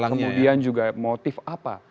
kemudian juga motif apa